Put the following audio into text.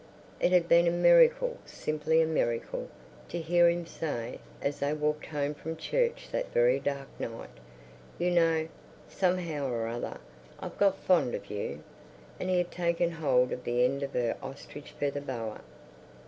It had been a miracle, simply a miracle, to hear him say, as they walked home from church that very dark night, "You know, somehow or other, I've got fond of you." And he had taken hold of the end of her ostrich feather boa.